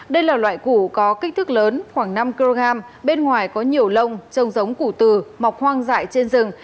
đây là loại củ có kích thức lớn khoảng năm kg bên ngoài có nhiều lông trông giống củ tư mọc hoang dại trên rừng